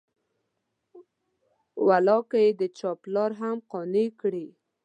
والله که یې د چا پلار هم قانع کړي.